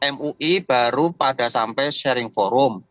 mui baru pada sampai sharing forum